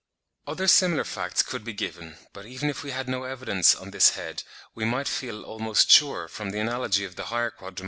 Other similar facts could be given; but even if we had no evidence on this head, we might feel almost sure, from the analogy of the higher Quadrumana (23.